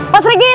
pak sri kiti